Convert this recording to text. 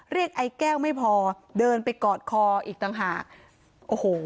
ไอ้แก้วไม่พอเดินไปกอดคออีกต่างหากโอ้โห